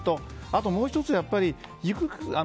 あともう１つ